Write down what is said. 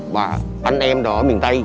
và anh em ở miền tây